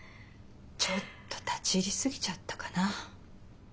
ちょっと立ち入りすぎちゃったかな。